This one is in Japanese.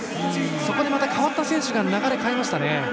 そこで代わった選手が流れを変えましたね。